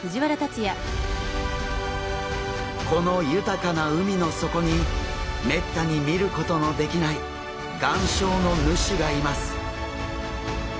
この豊かな海の底にめったに見ることのできない岩礁の主がいます。